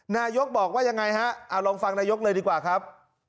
นายกบอกว่ายังไงฮะเอาลองฟังนายกเลยดีกว่าครับ